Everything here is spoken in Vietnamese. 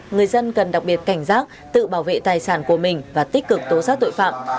người dân cần đặc biệt cảnh giác tự bảo vệ tài sản của mình và tích cực tố xác tội phạm